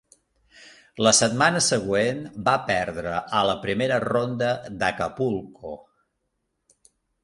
La setmana següent va perdre a la primera ronda d'Acapulco.